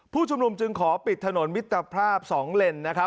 ผู้ชุมนุมจึงขอปิดถนนมิตรภาพ๒เลน